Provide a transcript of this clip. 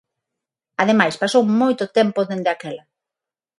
Ademais, pasou moito tempo dende aquela.